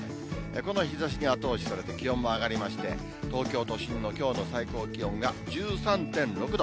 この日ざしに後押しされて気温も上がりまして、東京都心のきょうの最高気温が１３．６度。